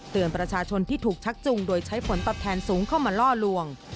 ประชาชนที่ถูกชักจุงโดยใช้ผลตอบแทนสูงเข้ามาล่อลวง